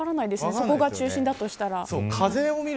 そこが中心だとしたら。